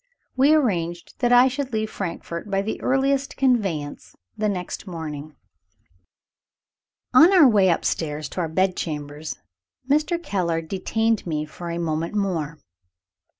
We arranged that I should leave Frankfort by the earliest conveyance the next morning. On our way upstairs to our bed chambers, Mr. Keller detained me for a moment more.